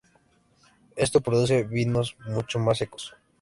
Esto produce vinos mucho más secos.